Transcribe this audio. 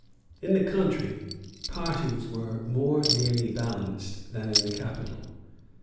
In the country, parties were more nearly balanced than in the capital.